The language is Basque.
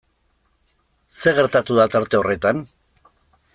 Zer gertatu da tarte horretan?